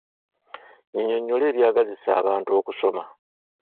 Nnyinyonnyola ebyagazisa abantu okusoma.